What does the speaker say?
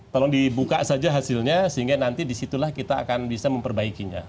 tolong dibuka saja hasilnya sehingga nanti disitulah kita akan bisa memperbaikinya